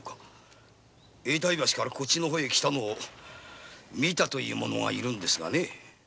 永代橋からこっちの方へ来たのを見たという者がいるんですがね。